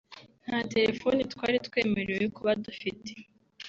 nta telefone twari twemerewe kuba dufite